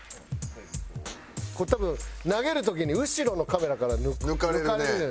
これ多分投げる時に後ろのカメラから抜かれるじゃないですか。